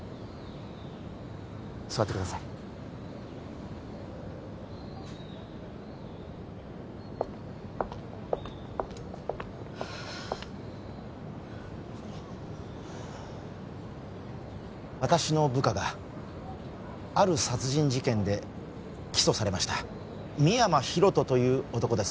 座ってください私の部下がある殺人事件で起訴されました深山大翔という男です